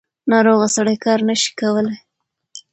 ناروغه سړی کار نشي کولی.